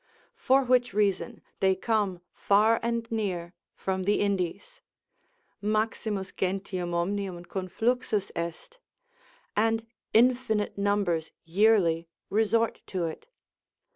For which reason they come far and near from the Indies; Maximus gentium omnium confluxus est; and infinite numbers yearly resort to it.